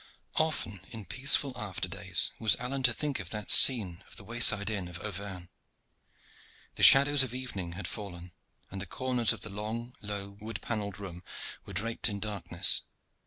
Often in peaceful after days was Alleyne to think of that scene of the wayside inn of Auvergne. The shadows of evening had fallen, and the corners of the long, low, wood panelled room were draped in darkness.